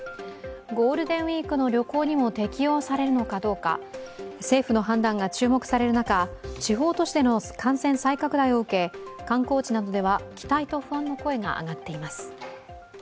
ゴールデンウイークの旅行にも適用されるのかどうか政府の判断が注目される中、地方都市での感染再拡大を受け観光地などでは期待と不安の声が上がっています。